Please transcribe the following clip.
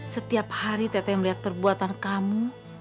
setiap hari tete melihat perbuatan kamu